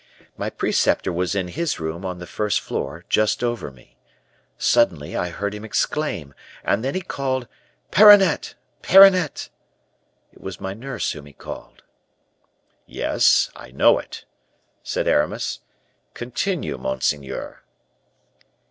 My preceptor was in his room on the first floor, just over me. Suddenly I heard him exclaim, and then he called: 'Perronnette! Perronnette!' It was my nurse whom he called." "Yes, I know it," said Aramis. "Continue, monseigneur."